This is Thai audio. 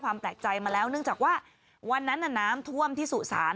แปลกใจมาแล้วเนื่องจากว่าวันนั้นน้ำท่วมที่สุสาน